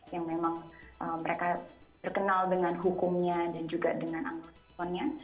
yang memang mereka terkenal dengan hukumnya dan juga dengan anggotanya